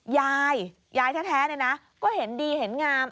ยายยายแท้เนี่ยนะก็เห็นดีเห็นงาม